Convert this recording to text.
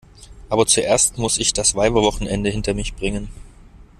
Aber zuerst muss ich das Weiberwochenende hinter mich bringen.